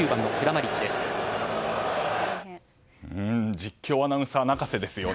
実況アナウンサー泣かせですよね。